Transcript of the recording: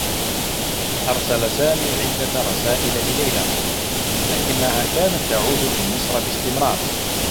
أرسل سامي عدّة رسائل لليلى، لكنّها كانت تعود من مصر باستمرار.